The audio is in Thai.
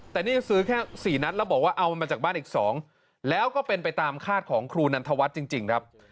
แต่นี่ซื้อแค่๔นัดแล้วบอกว่าเอามันมาจากบ้านอีก๒แล้วก็เป็นไปตามคาดของครูนันทวัฒน์จริงครับ